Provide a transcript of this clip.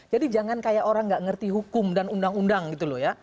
jadi jangan kayak orang tidak mengerti hukum dan undang undang gitu loh ya